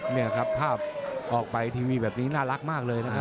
นี่ครับภาพออกไปทีวีแบบนี้น่ารักมากเลยนะฮะ